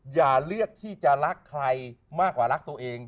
อย่าเลือกที่จะรักใครมากกว่ารักตัวเอง